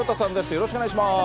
よろしくお願いします。